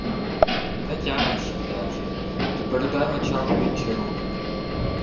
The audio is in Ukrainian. — Не тямиш, княже, то передай меча в инчі руки!